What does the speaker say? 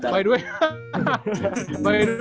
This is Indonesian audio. nyambung golden set ya